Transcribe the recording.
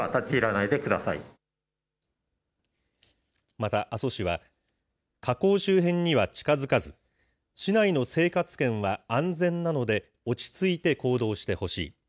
また阿蘇市は、火口周辺には近づかず、市内の生活圏は安全なので落ち着いて行動してほしい。